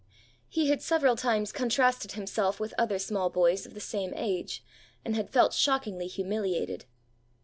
He had several times contrasted himself with other small boys of the same age, and had felt shockingly humiliated.